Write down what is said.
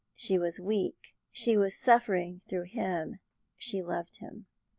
She was weak; she was suffering through him; she loved him.